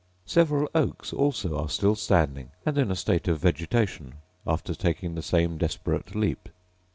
Several oaks also are still standing, and in a state of vegetation, after taking the same desperate leap.